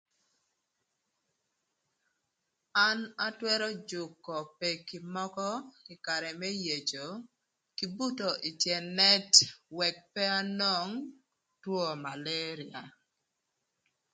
An atwërö jükö peki mökö ï karë më yeco kï buto ï tyën nët wëk pe anwong two maleria.